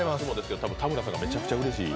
多分、田村さんがめちゃくちゃうれしいやつ。